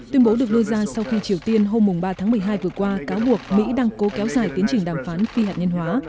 tuyên bố được đưa ra sau khi triều tiên hôm ba tháng một mươi hai vừa qua cáo buộc mỹ đang cố kéo dài tiến trình đàm phán phi hạt nhân hóa